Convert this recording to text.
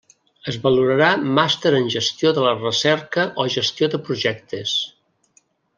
Es valorarà Màster en gestió de la recerca o gestió de projectes.